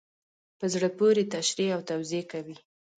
په زړه پوري تشریح او توضیح کوي.